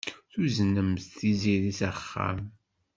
Tuznemt Tiziri s axxam.